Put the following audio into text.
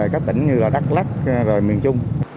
các tỉnh như đắk lắc và miền trung